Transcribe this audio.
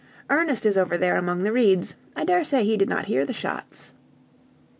"Ernest is over there among the reeds: I daresay he did not hear the shots."